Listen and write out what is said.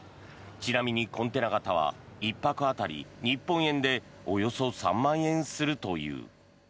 ちなみにコンテナ型は１泊当たり日本円でおよそ３万円するという。